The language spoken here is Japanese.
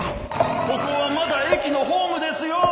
ここはまだ駅のホームですよ！